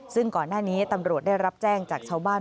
ซึ่งก่อนหน้านี้ตำรวจได้รับแจ้งจากชาวบ้าน